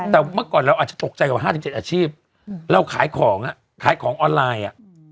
แต่เมื่อก่อนเราอาจจะตกใจกว่า๕๗อาชีพเราขายของอ่ะขายของออนไลน์